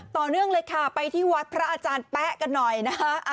ต่อเนื่องเลยค่ะไปที่วัดพระอาจารย์แป๊ะกันหน่อยนะคะ